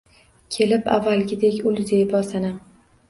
Kelib avvalgidek ul zebo sanam